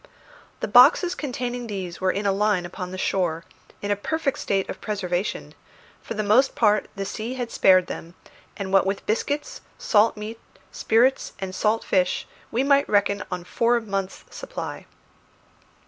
The boxes containing these were in a line upon the shore, in a perfect state of preservation; for the most part the sea had spared them, and what with biscuits, salt meat, spirits, and salt fish, we might reckon on four months' supply.